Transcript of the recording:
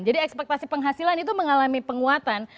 jadi ekspektasi penghasilan itu mengalami penguatan